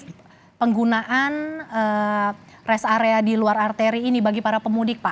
pantauan bapak seberapa efektif penggunaan rest area di luar arteri ini bagi para pemudik pak